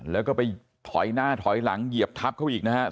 แล้วก็ไปถอยหน้าถอยหลังเหยียบทับเขาอีกนะครับ